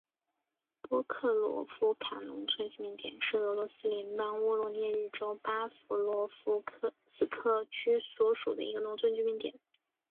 波克罗夫卡农村居民点是俄罗斯联邦沃罗涅日州巴甫洛夫斯克区所属的一个农村居民点。